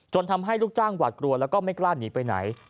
ทำให้ลูกจ้างหวาดกลัวแล้วก็ไม่กล้าหนีไปไหน